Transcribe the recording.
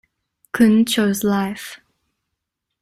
Kun chose life.